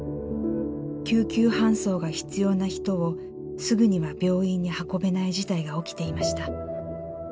救急搬送が必要な人をすぐには病院に運べない事態が起きていました。